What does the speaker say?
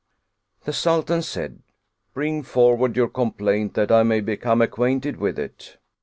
The Sultan said: "Bring forward your complaint that I may become acquainted with it."